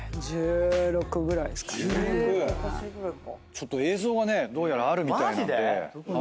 ちょっと映像がねどうやらあるみたいなんで。